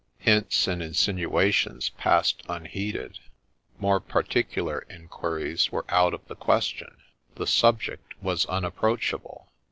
Hints and insinua tions passed unheeded, — more particular inquiries were out of the question :— the subject was unapproachable.